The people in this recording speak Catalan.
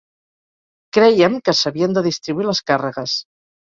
Crèiem que s’havien de distribuir les càrregues.